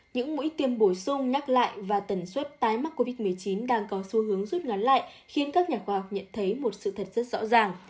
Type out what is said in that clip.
những mũi tiêm bổ sung nhắc lại và tần suất tái mắc covid một mươi chín đang có xu hướng rút ngắn lại khiến các nhà khoa học nhận thấy một sự thật rất rõ ràng